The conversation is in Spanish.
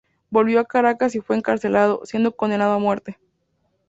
Volvió a Caracas y fue encarcelado, siendo condenado a muerte.